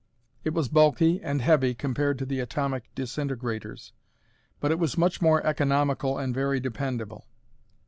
It was bulky and heavy compared to the atomic disintegrators, but it was much more economical and very dependable.